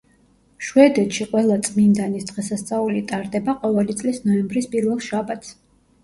შვედეთში „ყველა წმინდანის“ დღესასწაული ტარდება ყოველი წლის ნოემბრის პირველ შაბათს.